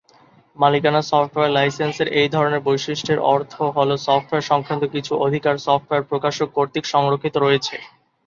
মালিকানা সফটওয়্যার লাইসেন্সের এই ধরনের বৈশিষ্ট্যের অর্থ হল সফটওয়্যার সংক্রান্ত কিছু অধিকার সফটওয়্যার প্রকাশক কর্তৃক সংরক্ষিত রয়েছে।